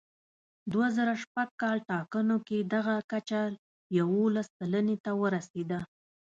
دوه زره شپږ کال ټاکنو کې دغه کچه یوولس سلنې ته ورسېده.